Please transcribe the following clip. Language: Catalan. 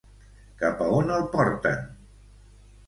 Cap a on el porten?